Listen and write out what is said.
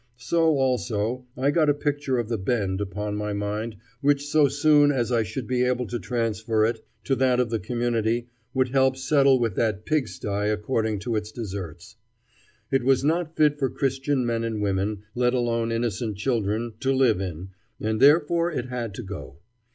So, also, I got a picture of the Bend upon my mind which so soon as I should be able to transfer it to that of the community would help settle with that pig sty according to its deserts. It was not fit for Christian men and women, let alone innocent children, to live in, and therefore it had to go.